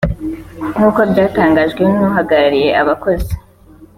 nk’uko byatangajwe n’uhagarariye abakozi